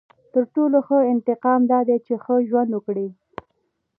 • تر ټولو ښه انتقام دا دی چې ښه ژوند وکړې.